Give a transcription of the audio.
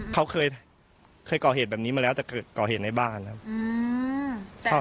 เขาเคยก่อเหตุแบบนี้มาแล้วแต่ก่อเหตุในบ้านครับ